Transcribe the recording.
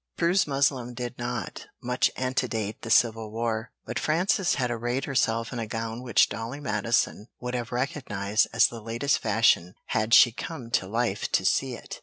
Prue's muslin did not much antedate the civil war, but Frances had arrayed herself in a gown which Dolly Madison would have recognized as the latest fashion had she come to life to see it.